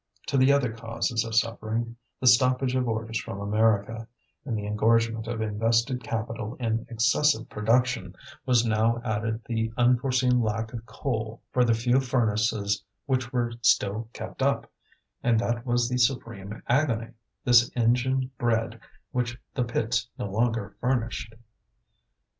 To the other causes of suffering the stoppage of orders from America, and the engorgement of invested capital in excessive production was now added the unforeseen lack of coal for the few furnaces which were still kept up; and that was the supreme agony, this engine bread which the pits no longer furnished.